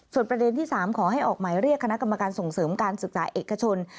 ประเด็นที่๓ขอให้ออกหมายเรียกคณะกรรมการส่งเสริมการศึกษาเอกชน